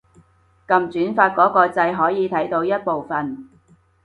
撳轉發嗰個掣可以睇到一部分